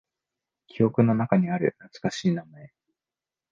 記憶の中にある懐かしい名前。